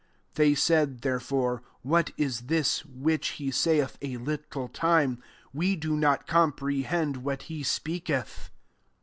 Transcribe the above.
'" 18 They said, there^ fore, " What is this which he saith, < A little time?' we do not comprehend what ke speaketh."